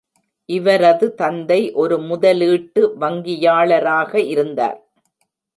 இவரது தந்தை ஒரு முதலீட்டு வங்கியாளராக இருந்தார்.